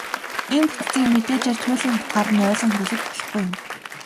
Энэ бүтцийг мэдээжээр туйлын утгаар нь ойлгон хэрэглэж болохгүй юм.